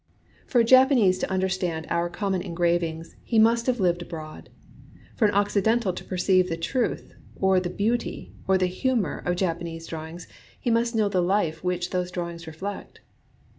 For a Japanese to understand our common engravings, he must have lived abroad. For an Occidental to perceive the truth, or the beauty, or the humor of Japa nese drawings, he must know the life which those drawings reflect.